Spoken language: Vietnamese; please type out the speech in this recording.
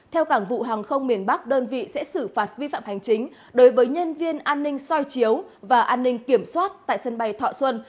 theo cảng vụ hàng không miền bắc đơn vị sẽ xử phạt vi phạm hành chính đối với nhân viên an ninh soi chiếu và an ninh kiểm soát tại sân bay thọ xuân